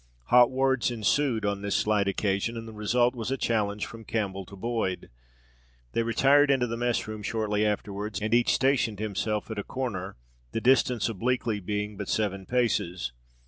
Hot words ensued on this slight occasion, and the result was a challenge from Campbell to Boyd. They retired into the mess room shortly afterwards, and each stationed himself at a corner, the distance obliquely being but seven paces.